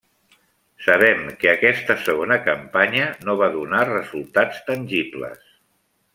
Sabem que aquesta segona campanya no va donar resultats tangibles.